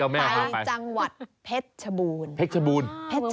ไปจังหวัดเพชรชบูรณ์